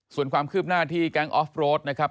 ส่วนความคืบหน้าที่แก๊งออฟโรดนะครับ